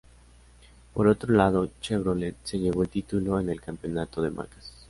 Por otro lado, Chevrolet se llevó el título en el campeonato de marcas.